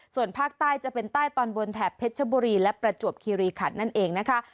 ส่วนภาคใต้จะเป็นใต้ตอนบนแถบเพชรบุรีและประจวบคีรีขันนั่นเองนะคะ